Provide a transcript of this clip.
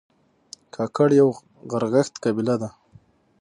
کاکړ یو غرغښت قبیله ده